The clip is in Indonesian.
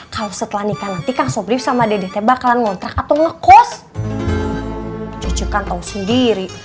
kalau setelah nikah nanti kang sobrif sama dedetnya bakalan ngontrak atau ngekos cucu kan tahu sendiri